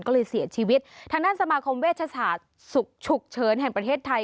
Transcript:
ก็เลยเสียชีวิตทางด้านสมาคมเวชศาสตร์ฉุกเฉินแห่งประเทศไทย